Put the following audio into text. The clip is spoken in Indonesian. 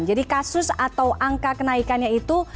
jadi kasus atau angka kenaikannya itu